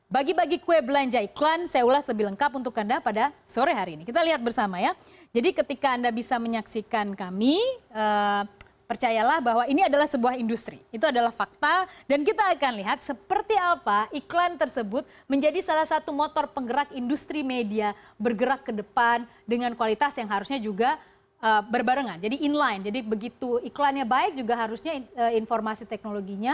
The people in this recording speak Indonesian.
bagi bagi kue belanja iklan saya ulas lebih lengkap untukkan